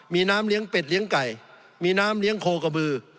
มีน้ำเลี้ยงเป็ดเลี้ยงไก่มีน้ำเลี้ยงโคกระบือ